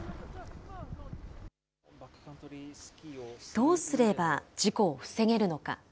どうすれば事故を防げるのか。